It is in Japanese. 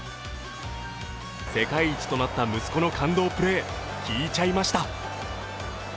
世界一となった息子の感動プレー聞いちゃいました。